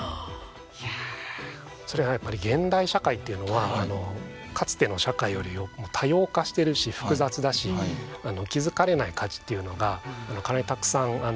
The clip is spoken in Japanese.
それはやっぱり現代社会っていうのはかつての社会より多様化してるし複雑だし気づかれない価値っていうのがかなりたくさん潜んでいるわけですよね。